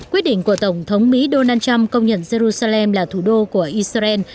quyết định của tổng thống mỹ donald trump công nhận jerusalem là thủ đô của israel